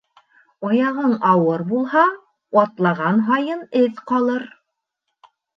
Аяғың ауыр булһа, атлаған һайын эҙ ҡалыр.